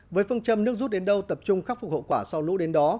với phương châm nước rút đến đâu tập trung khắc phục hậu quả sau lũ đến đó